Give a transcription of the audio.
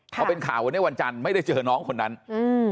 พอเป็นข่าววันนี้วันจันทร์ไม่ได้เจอน้องคนนั้นอืม